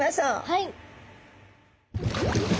はい。